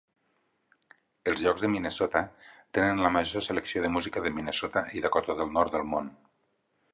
Els llocs de Minnesota tenen la major selecció de música de Minnesota i Dakota del Nord del món.